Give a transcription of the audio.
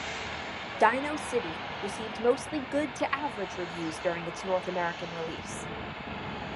"DinoCity" received mostly good to average reviews during its North American release.